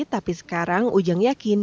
tapi sekarang ujang yakin